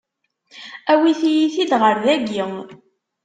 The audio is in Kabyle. Awit-iyi-t-id ɣer dagi!